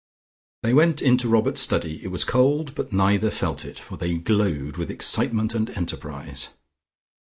They went into Robert's study: it was cold, but neither felt it, for they glowed with excitement and enterprise.